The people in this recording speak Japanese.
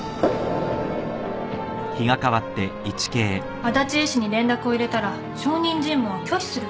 足達医師に連絡を入れたら証人尋問は拒否すると。